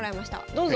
どうぞ。